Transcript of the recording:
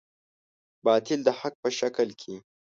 باطل د حق په شکل کې.